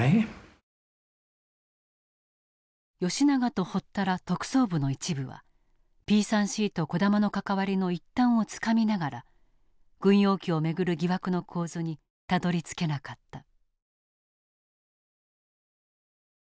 永と堀田ら特捜部の一部はＰ３Ｃと児玉の関わりの一端をつかみながら軍用機を巡る疑惑の構図にたどりつけなかった。